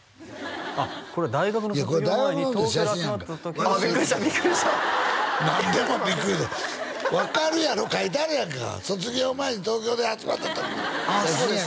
あっこれ大学のいやこれ大学の時の写真やんかああビックリしたビックリした何でもビックリ分かるやろ書いてあるやんか卒業前に東京で集まった時のああそうです